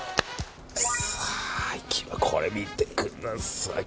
これ、見てください。